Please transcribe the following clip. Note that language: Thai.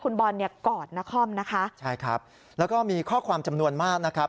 แล้วก็มีข้อความจำนวนมากนะครับ